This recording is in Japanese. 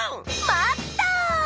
待った！